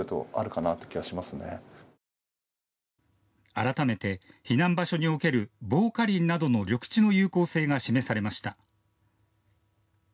改めて避難場所における防火林などの緑地の有効性が示されました。